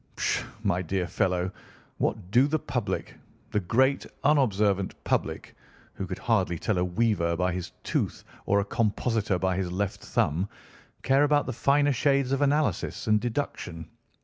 "Pshaw, my dear fellow, what do the public, the great unobservant public, who could hardly tell a weaver by his tooth or a compositor by his left thumb, care about the finer shades of analysis and deduction!